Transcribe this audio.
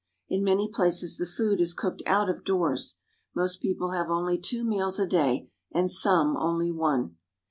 In many places the food is cooked out of doors. Most people have only two meals a day, and some only one.